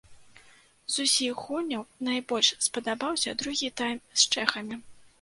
З усіх гульняў найбольш спадабаўся другі тайм з чэхамі.